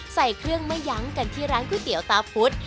ใส่เครื่องไม่ยั้งกันที่ร้านก๋วยเตี๋ยวตาพุธ